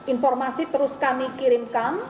informasi terus kami kirimkan